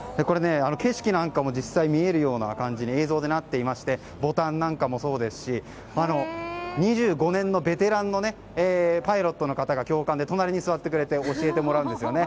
景色なんかも実際見えるような感じに映像でなっていて２５年のベテランのパイロットの方が教官で隣に座ってもらって教えてもらうんですね。